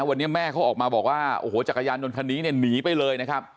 วันนี้แม่เขาออกมาบอกว่าโอ้โหจักรยานยนต์คันนี้เนี่ยหนีไปเลยนะครับ